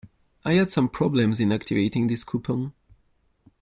I had some problems in activating this coupon.